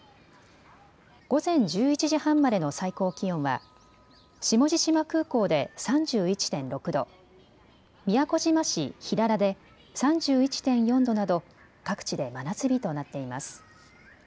午前１１時半までの最高気温は下地島空港で３１．６度、宮古島市平良で３１．４度など各地で真夏日となっています。